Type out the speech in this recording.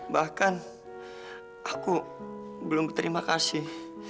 bahkan aku belum berterima kasih